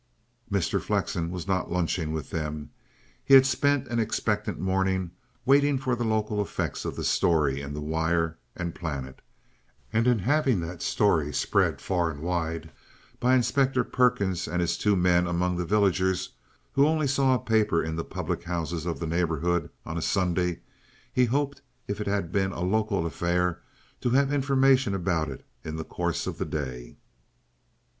Mr. Flexen was not lunching with them. He had spent an expectant morning waiting for the local effects of the story in the Wire and Planet, and in having that story spread far and wide by Inspector Perkins and his two men among the villagers, who only saw a paper in the public houses of the neighbourhood on a Sunday. He hoped, if it had been a local affair, to have information about it in the course of the day.